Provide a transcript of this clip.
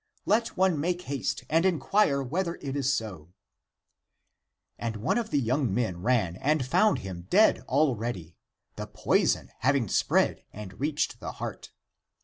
Let one make haste and inquire whether it is so ! And one of the young men ran and found him dead already, the poison having spread and reached the heart.